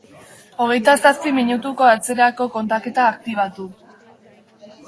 Hogeita zazpi minutuko atzerako kontaketa aktibatu.